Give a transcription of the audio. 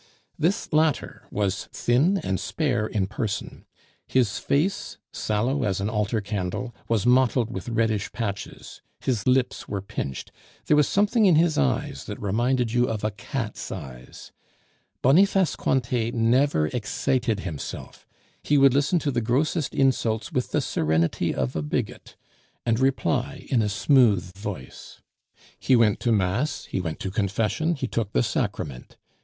This latter was thin and spare in person; his face, sallow as an altar candle, was mottled with reddish patches; his lips were pinched; there was something in his eyes that reminded you of a cat's eyes. Boniface Cointet never excited himself; he would listen to the grossest insults with the serenity of a bigot, and reply in a smooth voice. He went to mass, he went to confession, he took the sacrament.